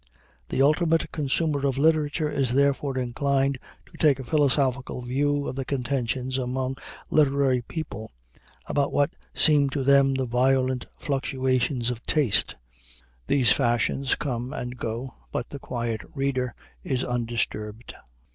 The ultimate consumer of literature is therefore inclined to take a philosophical view of the contentions among literary people, about what seem to them the violent fluctuations of taste. These fashions come and go, but the quiet reader is undisturbed.